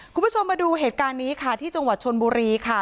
คุณผู้ชมมาดูเหตุการณ์นี้ค่ะที่จังหวัดชนบุรีค่ะ